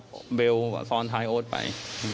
ใช่แล้วเบลล์ซ้อนท้ายโอ๊ตไป